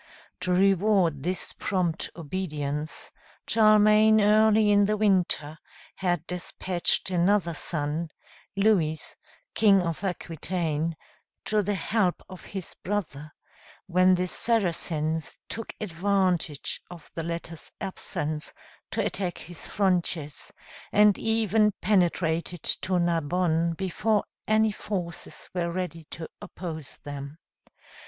To reward this prompt obedience, Charlemagne early in the winter had despatched another son, Louis, King of Aquitaine, to the help of his brother, when the Saracens took advantage of the latter's absence to attack his frontiers, and even penetrated to Narbonne before any forces were ready to oppose them.